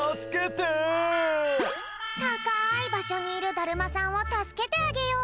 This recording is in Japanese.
たかいばしょにいるだるまさんをたすけてあげよう。